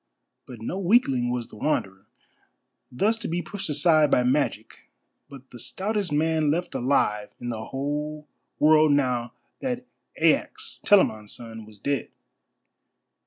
But no weakling was the Wanderer, thus to be pushed aside by magic, but the stoutest man left alive in the whole world now that Aias, Telamon's son, was dead.